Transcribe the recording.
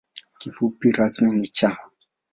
Kifupi rasmi ni ‘Cha’.